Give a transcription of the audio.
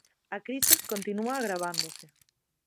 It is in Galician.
A crise continúa agravándose.